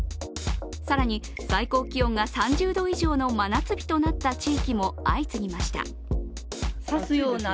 更に最高気温が３０度以上の真夏日となった地域も相次ぎました。